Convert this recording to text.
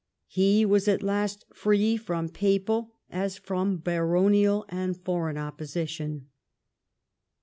He was at last free from papal as from baronial and foreign opposition.